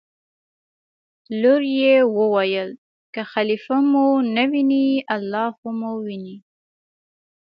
لور یې وویل: که خلیفه مو نه ویني الله خو مو ویني.